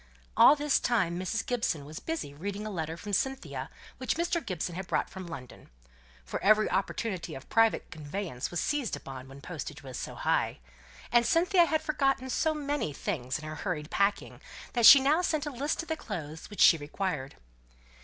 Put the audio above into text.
All this time Mrs. Gibson was busy reading a letter from Cynthia which Mr. Gibson had brought from London; for every opportunity of private conveyance was seized upon when postage was so high; and Cynthia had forgotten so many things in her hurried packing, that she now sent a list of the clothes which she required.